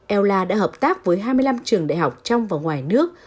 ella đã hợp tác với hai mươi năm trường đại học trong và ngoài nước